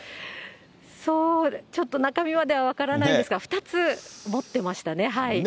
ちょっと中身までは分からないんですが、２つ持ってましたね。